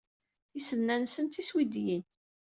Tisednan-nsent d tiswidiyin.